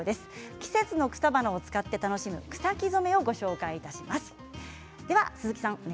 季節の草花を使って楽しむ草木染めをご紹介します。